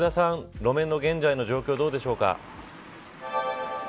路面の現在の状況はどうですか。